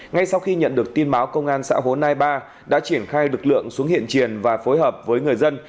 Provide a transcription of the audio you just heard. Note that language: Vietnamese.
ngay sau khi nhận được tin báo công an xã hồ nai ba đã triển khai lực lượng xuống hiện triển và phối hợp với người dân